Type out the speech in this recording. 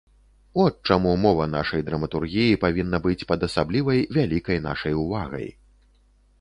От чаму мова нашай драматургіі павінна быць пад асаблівай вялікай нашай увагай.